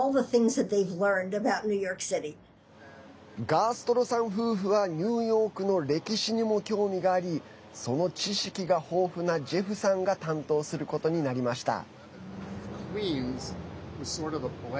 ガーストルさん夫婦はニューヨークの歴史にも興味がありその知識が豊富なジェフさんが担当することになりました。